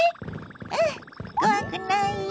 うん怖くないよ！